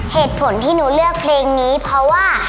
เหตุผลที่หนูเลือกเพลงนี้เพราะว่า